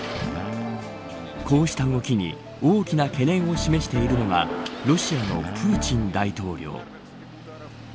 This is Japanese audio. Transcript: こうした動きに大きな懸念を示しているのがロシアのプーチン大統領。